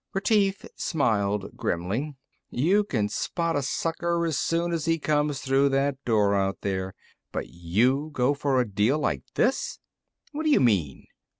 Retief smiled grimly. "You can spot a sucker as soon as he comes through that door out there but you go for a deal like this!" "What do you mean?"